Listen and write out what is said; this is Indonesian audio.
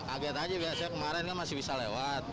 kaget aja biasanya kemarin kan masih bisa lewat